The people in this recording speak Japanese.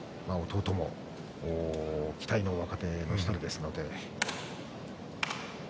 弟も期待の若手の１人ですので。